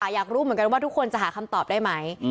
อยากรู้เหมือนกันว่าทุกคนจะหาคำตอบได้ไหม